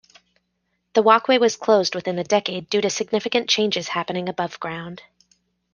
The walkway was closed within a decade due to significant changes happening above ground.